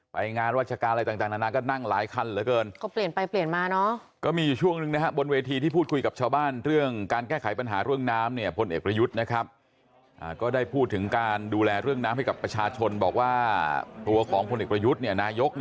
ไปตามหมดทุกทางนึงไม่ไหวครับ